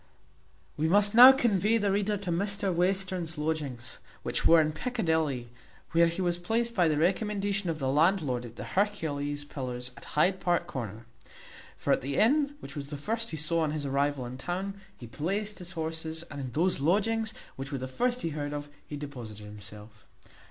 We must now convey the reader to Mr Western's lodgings, which were in Piccadilly, where he was placed by the recommendation of the landlord at the Hercules Pillars at Hyde Park Corner; for at the inn, which was the first he saw on his arrival in town, he placed his horses, and in those lodgings, which were the first he heard of, he deposited himself.